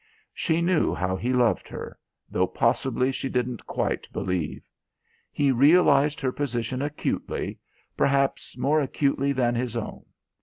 She knew how he loved her ... though possibly she didn't quite believe. He realised her position acutely, perhaps more acutely than his own.